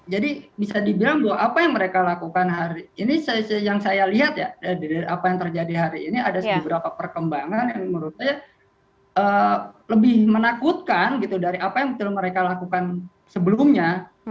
jadi bisa dibilang bahwa apa yang mereka lakukan hari ini yang saya lihat ya dari apa yang terjadi hari ini ada seberapa perkembangan yang menurut saya lebih menakutkan dari apa yang mereka lakukan sebelumnya